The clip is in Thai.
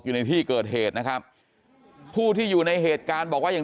อยู่ในที่เกิดเหตุนะครับผู้ที่อยู่ในเหตุการณ์บอกว่าอย่าง